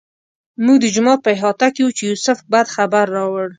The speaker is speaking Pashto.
موږ د جومات په احاطه کې وو چې یوسف بد خبر راوړ.